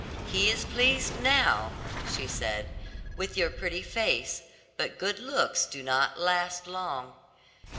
'He is pleased now,' she said, 'with your pretty face; but good looks do not last long.